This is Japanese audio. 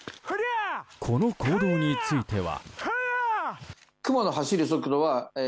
この行動については。